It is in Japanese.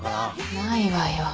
ないわよ。